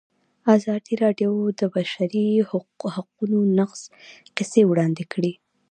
ازادي راډیو د د بشري حقونو نقض کیسې وړاندې کړي.